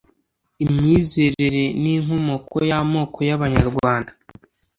imyizerere n' inkomoko y'amoko y'abanyarwanda